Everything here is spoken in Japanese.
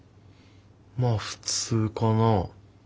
まあ普通かな。